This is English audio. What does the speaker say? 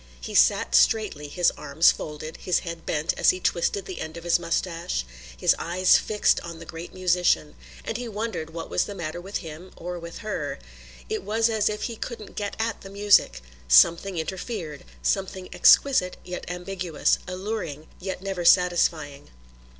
He sat straightly, his arms folded, his head bent as he twisted the end of his moustache, his eye fixed on the great musician; and he wondered what was the matter with him, or with her. It was as if he couldn't get at the music. Something interfered, something exquisite yet ambiguous, alluring yet never satisfying.